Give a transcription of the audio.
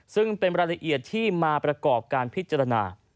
ซึ่งเป็นรายละเอียดที่มาประกอบการพิจารณา